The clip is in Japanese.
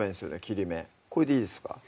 切り目これでいいですか？